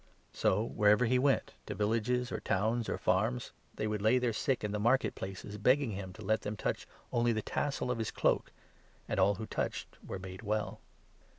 So 56 wherever he went — to villages, or towns, or farms — they would lay their sick in the market places, begging him to let them touch only the tassel of his cloak; and all who touched were made well.